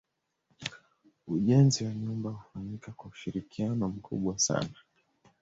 Ujenzi wa nyumba hufanyika kwa ushirikiano mkubwa sana